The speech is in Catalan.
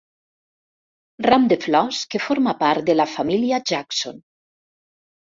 Ram de flors que forma part de la família Jackson.